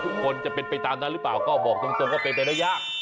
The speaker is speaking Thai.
ทุกคนจะเป็นไปตามนั้นหรือเปล่าก็บอกตรงก็เป็นไปได้ยาก